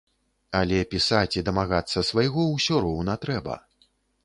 Але пісаць і дамагацца свайго ўсё роўна трэба.